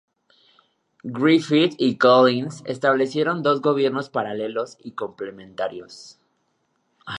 Griffith y Collins establecieron dos gobiernos paralelos y complementarios.